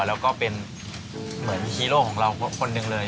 แล้วก็เป็นเหมือนฮีโร่ของเราคนหนึ่งเลย